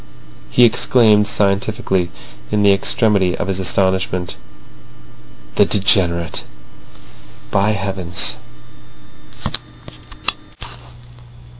He exclaimed scientifically, in the extremity of his astonishment: "The degenerate—by heavens!"